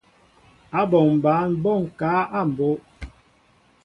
Áɓɔŋ ɓăn ɓɔ ŋkă a mbóʼ.